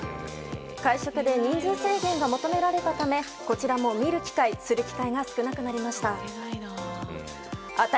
会食で人数制限が求められたためこちらも見る機会、する機会が少なくなりました。